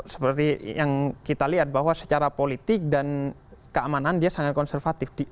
seperti yang kita lihat bahwa secara politik dan keamanan dia sangat konservatif